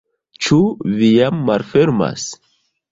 Ĉu vi jam malfermas?